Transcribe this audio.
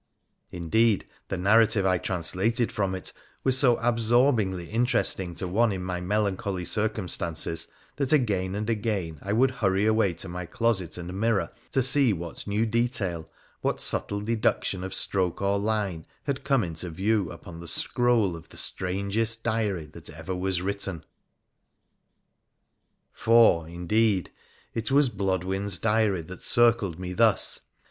Indeed, the narrative I translated from it was so absorbingly interest ing to one in my melancholy circumstances that again and again I would hurry away to my closet and mirror to see what new detail, what subtle deduction of stroke or line, had come into view upon the scroll of the strangest diary that ever was written. For, indeed, it was Blodwen's diary that circled me thus.